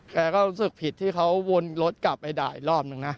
แกก็รู้สึกผิดที่เขาวนรถกลับไปด่าอีกรอบนึงนะ